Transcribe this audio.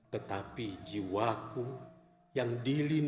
tetapi jiwaku yang dilindungi